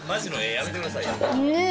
やめてくださいよ。